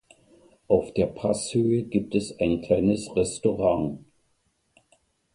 Auf der Passhöhe gibt es ein kleines Restaurant.